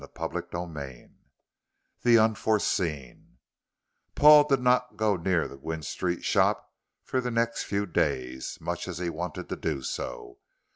CHAPTER IV THE UNFORESEEN Paul did not go near the Gwynne Street shop for the next few days, much as he wanted to do so.